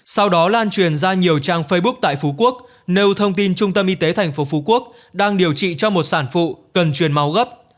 sau đó lan truyền ra nhiều trang facebook tại phú quốc nêu thông tin trung tâm y tế tp phú quốc đang điều trị cho một sản phụ cần truyền máu gấp